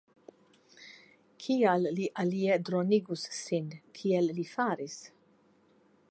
Kial li alie dronigus sin, kiel li faris?